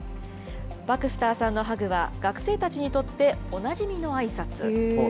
バクスターさんのハグは、学生たちにとっておなじみのあいさつ。